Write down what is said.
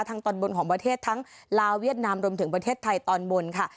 ตอนบนของประเทศทั้งลาวเวียดนามรวมถึงประเทศไทยตอนบนค่ะ